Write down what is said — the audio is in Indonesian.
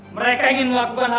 mereka ingin melakukan hal yang sama